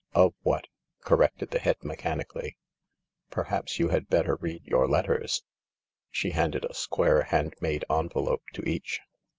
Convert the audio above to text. " O/what," corrected the Head mechanically " Perhaps you had better read your letters." She handed a squarV hand made envelope to each.